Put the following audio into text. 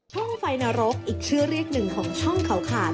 ช่องไฟนรกอีกชื่อเรียกหนึ่งของช่องเขาขาด